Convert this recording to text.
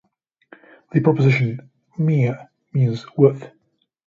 The preposition "med" means "with".